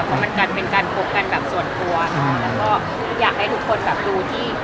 มันก็เหมือนกันเป็นการพบกันแบบส่วนตัวแล้วก็อยากให้ทุกคนแบบรู้ที่